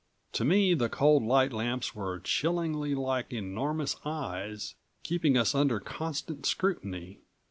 To me the cold light lamps were chillingly like enormous eyes, keeping us under constant scrutiny.